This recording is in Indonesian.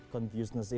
confuseness itu ya